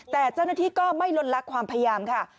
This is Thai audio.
แต่เจ้าหน้าที่ก็ไม่ลดลักความพยายามค่ะ